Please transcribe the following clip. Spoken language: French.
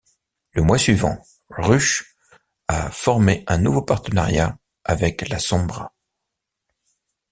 Le mois suivant, Rush a formé un nouveau partenariat avec La Sombra.